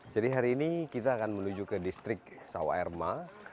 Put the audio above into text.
jadi hari ini kita akan menuju ke distrik sawah erma